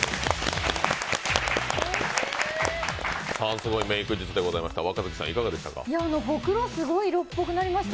すごいメーク術でございました。